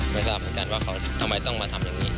ไม่ครับจังว่าเขาทำไมต้องมาทำแบบนี้